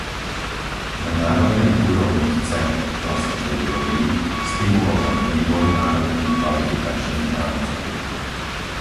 Na národnej úrovni chce - vlastne to už robí - stimulovať vývoj národných kvalifikačných rámcov.